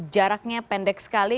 jaraknya pendek sekali